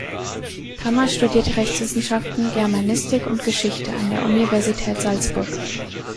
Pammer studierte Rechtswissenschaften, Germanistik und Geschichte an der Universität Salzburg.